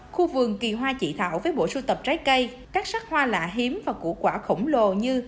khu vườn kỳ hoa chị thảo với bộ sưu tập trái cây các sắc hoa lạ hiếm và củ quả khổng lồ như